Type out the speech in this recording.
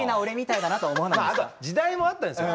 時代もあったんですよ。